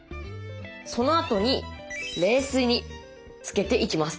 そのあとに冷水につけていきます。